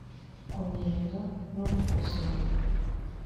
kunenga no gukosora